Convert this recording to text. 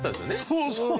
そうそう。